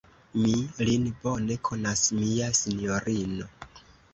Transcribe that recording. Mi lin bone konas, mia sinjorino.